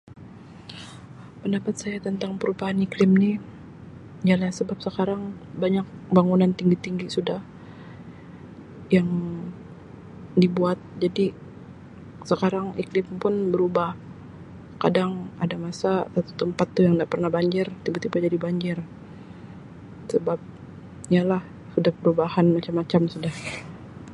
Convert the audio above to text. Pendapat saya tentang perubahan iklim ni ialah sebab sekarang banyak bangunan tinggi-tinggi sudah yang dibuat jadi sekarang iklim pun berubah kadang ada masa satu tempat tu yang nda pernah banjir tiba-tiba jadi banjir sebab ya lah sudah perubahan macam-macam sudah.